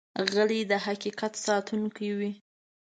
غلی، د حقیقت ساتونکی وي.